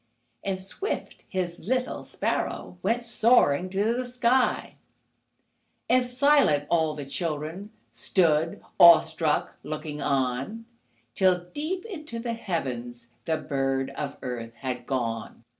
And swift, His little sparrow Went soaring to the sky, And silent, all the children Stood, awestruck, looking on, Till, deep into the heavens, The bird of earth had gone.